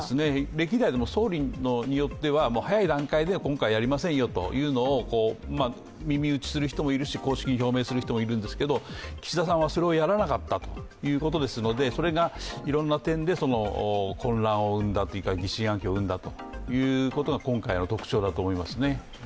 歴代でも総理によっては早い段階で、今回やりませんよというのを耳打ちする人もいるし、公式に表明する人もいるんですが、岸田さんはそれをやらなかったということですので、それがいろんな点で混乱を生んだというか、疑心暗鬼を生んだということが今回の特徴だと思いますね。